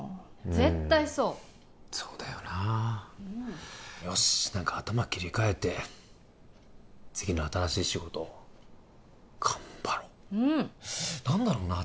絶対そうそうだよなよしっなんか頭切り替えて次の新しい仕事頑張ろううん何だろうな